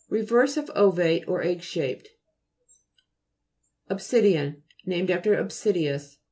Reverse of ovate or egg shaped. OBSI'DIAN Named after Obsidius.